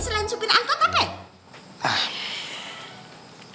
selain supir angkot apa